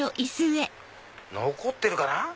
残ってるかな？